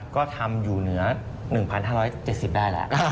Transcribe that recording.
ก็ทำอยู่เหนือ๑๕๗๐ได้แล้ว